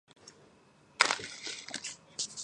თავდამსხმელებმა მაშინ ააფეთქეს ბომბი მათ წინ.